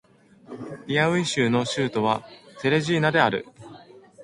ピアウイ州の州都はテレジーナである